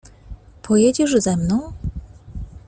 "Pojedziesz ze mną?"